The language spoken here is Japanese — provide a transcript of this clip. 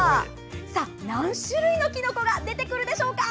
さあ、何種類のきのこが出てくるでしょうか？